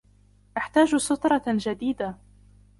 أحتاج سترة جديدة